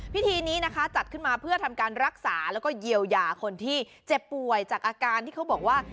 พิธีนี้นะคะจัดขึ้นมาเพื่อทำการรักษาแล้วก็เยียวยาคนที่เจ็บป่วยจากอาการที่เขาบอกว่า